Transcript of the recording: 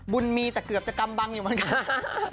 บุญมีแต่เกือบจะกำบังอยู่เหมือนกัน